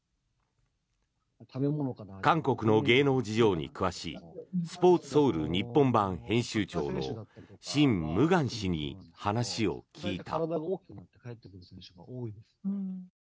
韓国の芸能事情に詳しいスポーツソウル日本版編集長のシン・ムグァン氏に話を聞いた。